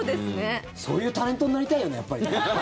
そういうタレントになりたいよねやっぱりね。